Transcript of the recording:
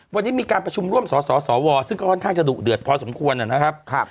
วันนี้มีการประชุมร่วมสสวซึ่งก็ค่อนข้างจะดุเดือดพอสมควรนะครับ